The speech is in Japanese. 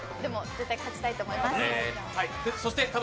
絶対勝ちたいと思います。